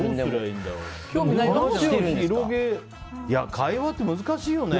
会話って難しいよね。